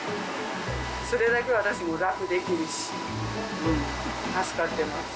それだけ、私も楽できるし、助かってます。